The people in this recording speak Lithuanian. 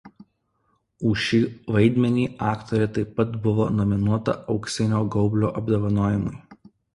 Už šį vaidmenį aktorė taip pat buvo nominuota Auksinio gaublio apdovanojimui.